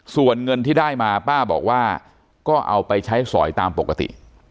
ส่วนเงินที่ได้มาป้าบอกว่าก็เอาไปใช้สอยตามปกติ